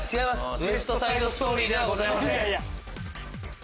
『ウエスト・サイド・ストーリー』ではございません。